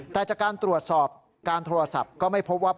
แต่จากการตรวจสอบการโทรศัพท์ก็ไม่พบว่า